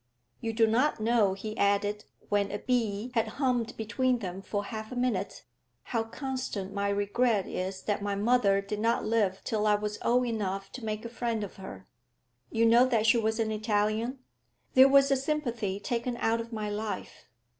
'You do not know,' he added, when a bee had hummed between them for half a minute, 'how constant my regret is that my mother did not live till I was old enough to make a friend of her. You know that she was an Italian? There was a sympathy taken out of my life.